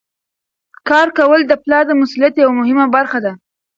کار کول د پلار د مسؤلیت یوه مهمه برخه ده.